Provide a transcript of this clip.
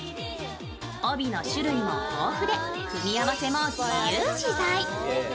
帯の種類も豊富で、組み合わせも自由自在。